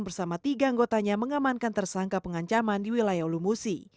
bersama tiga anggotanya mengamankan tersangka pengancaman di wilayah ulumusi